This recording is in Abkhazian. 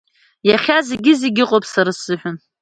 Иахьа зегьы-зегьы ыҟоуп сара сзыҳәан.